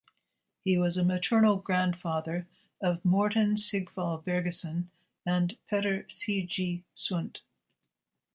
He was a maternal grandfather of Morten Sigval Bergesen and Petter C. G. Sundt.